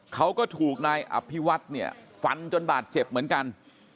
เขาก็ถูกนายอภิวัฒน์เนี่ยฟันจนบาดเจ็บเหมือนกัน